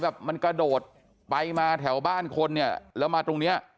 แบบมันกระโดดไปมาแถวบ้านคนเนี่ยแล้วมาตรงเนี้ย